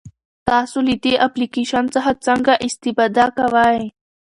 تاسو له دې اپلیکیشن څخه څنګه استفاده کوئ؟